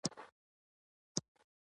ډېره لویه غلطي کوي په پښتو ژبه.